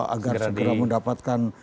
agar segera mendapatkan